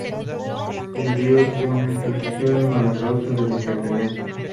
Sirvió con entusiasmo a la causa de la independencia.